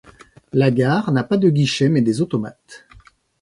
La gare n'a pas de guichet mais des automates.